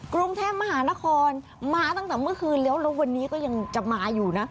กรุงเทพมหานครมาตั้งแต่เมื่อคืนแล้วแล้ววันนี้ก็ยังจะมาอยู่นะ